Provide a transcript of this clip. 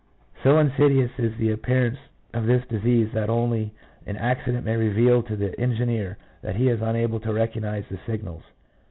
So insidious is the appearance of this disease that only an accident may reveal to the engineer that he is unable to recognize the signals.